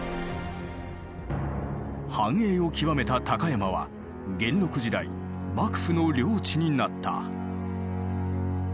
繁栄を極めた高山は元禄時代幕府の領地になった。